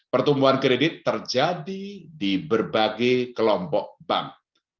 pertumbuhan kredit terjadi di berbagai kelompok bank